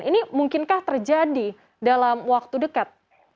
ini mungkinkah terjadi dalam waktu dekat